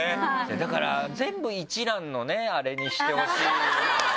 だから全部一蘭のねあれにしてほしい。